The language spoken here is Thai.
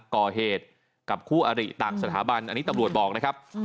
ก่อเหตุกับคู่อริต่างสถาบันอันนี้ตำรวจบอกนะครับ